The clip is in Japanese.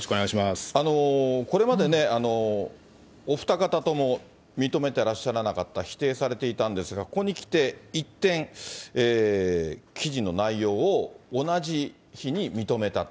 これまでね、お二方とも認めてらっしゃらなかった、否定されていたんですが、ここに来て一転、記事の内容を同じ日に認めたと。